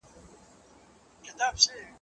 يا دي مريى کړی نه واى، يا دي پوهولی نه واى.